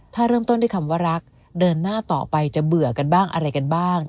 ถ้าเริ่มต้นด้วยคำว่ารักเดินหน้าต่อไปจะเบื่อกันบ้างอะไรกันบ้าง